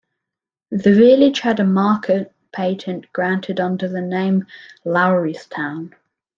The village had a market patent granted under the name "Lowrystown".